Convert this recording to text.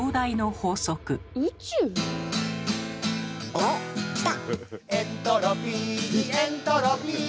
おっきた！